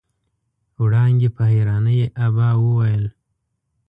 وړانګې په حيرانۍ ابا وويل.